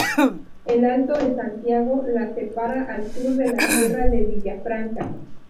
El alto de Santiago la separa al sur de la Sierra de Villafranca.